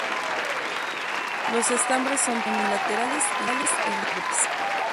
Los estambres son tres, unilaterales y libres.